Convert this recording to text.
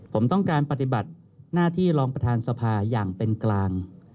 ผมต้องการปฏิบัติหน้าที่รองประธานสภาอย่างเป็นกลาง